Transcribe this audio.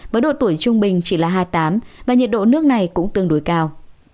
với độ tuổi trung bình chỉ là hai mươi tám và nhiệt độ nước này cũng tương đối cao